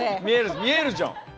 見えるじゃん！